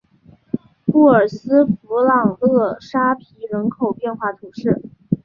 布尔斯弗朗勒沙皮人口变化图示